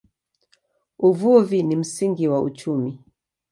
Uvuvi ni msingi wa uchumi.